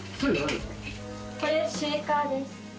これシェイカーです。